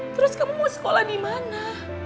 terus kamu mau sekolah di mana